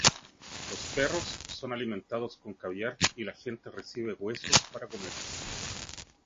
Los perros son alimentados con caviar y la gente recibe huesos para comer.